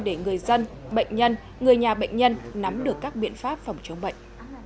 để người dân bệnh nhân người nhà bệnh nhân nắm được các biện pháp phòng chống bệnh